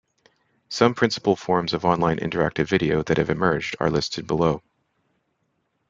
Some principal forms of online interactive video that have emerged are listed below.